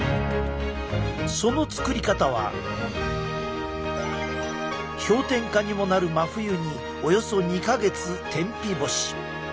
その作り方は氷点下にもなる真冬におよそ２か月天日干し。